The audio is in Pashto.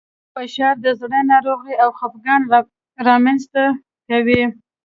فشار د زړه ناروغۍ او خپګان رامنځ ته کوي.